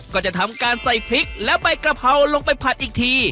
ก็จะทำการใส่พริกและใบกะเพราลงไปผัดอีกที